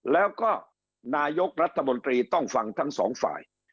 แล้วก็นายกรัฐมนตรีต้องฟังทั้งสองฝ่าย